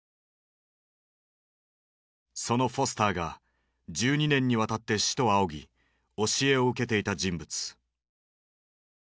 そのフォスターが１２年にわたって師と仰ぎ教えを受けていた人物。